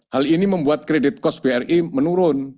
hal ini membuat kredit cost bri menurun